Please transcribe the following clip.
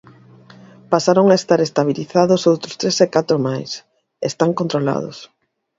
Pasaron a estar estabilizados outros tres e catro máis están controlados.